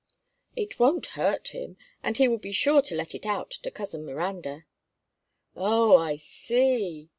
"It won't hurt him, and he will be sure to let it out to Cousin Miranda." "Oh, I see!"